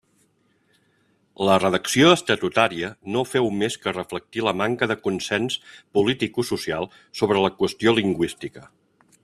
La redacció estatutària no féu més que reflectir la manca de consens politicosocial sobre la qüestió lingüística.